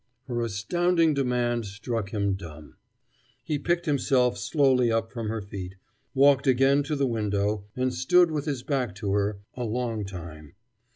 Her astounding demand struck him dumb. He picked himself slowly up from her feet, walked again to the window, and stood with his back to her a long time.